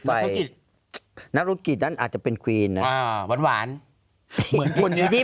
อะไรอุบลไงนี่ทำแง่คำนี้